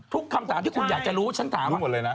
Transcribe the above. ทุกคำถามที่คุณอยากจะรู้ฉันถามว่า